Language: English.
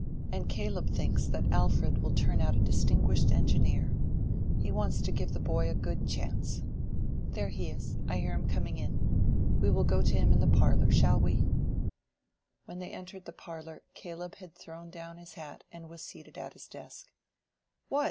"And Caleb thinks that Alfred will turn out a distinguished engineer: he wants to give the boy a good chance. There he is! I hear him coming in. We will go to him in the parlor, shall we?" When they entered the parlor Caleb had thrown down his hat and was seated at his desk. "What!